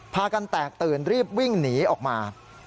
พากันแตกตื่นรีบวิ่งหนีออกมา